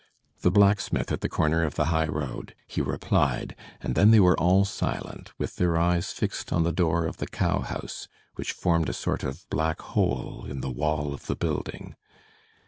"The blacksmith at the corner of the highroad," he replied, and then they were all silent, with their eyes fixed on the door of the cow house, which formed a sort of black hole in the wall of the building.